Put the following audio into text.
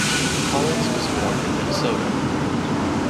Collins was born in Minnesota.